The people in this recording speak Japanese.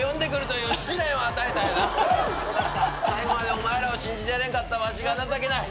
最後までお前らを信じてやれんかったわしが情けない。